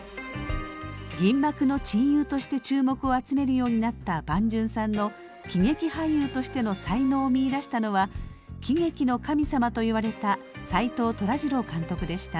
銀幕の珍優として注目を集めるようになった伴淳さんの喜劇俳優としての才能を見いだしたのは喜劇の神様といわれた斎藤寅次郎監督でした。